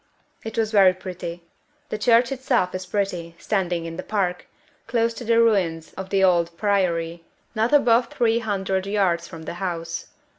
It was very pretty. The church itself is pretty, standing in the park, close to the ruins of the old Priory, not above three hundred yards from the house.